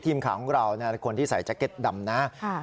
ทีมข่าวของเราคนที่ใส่แจ็คเก็ตดำนะ